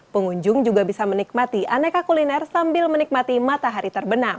pengunjung juga bisa menikmati aneka kuliner sambil menikmati matahari terbenam